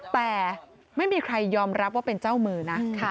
แต่ไม่มีใครยอมรับว่าเป็นเจ้ามือนะ